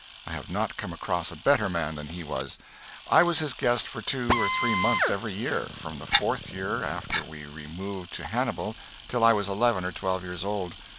I have not come across a better man than he was. I was his guest for two or three months every year, from the fourth year after we removed to Hannibal till I was eleven or twelve years old.